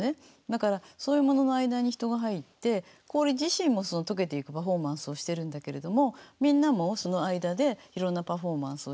だからそういうものの間に人が入って氷自身も解けていくパフォーマンスをしてるんだけれどもみんなもその間でいろんなパフォーマンスをしたりとか。